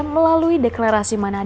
melalui deklarasi perusahaan